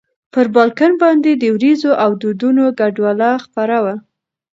پر بالکن باندې د ورېځو او دودونو ګډوله خپره وه.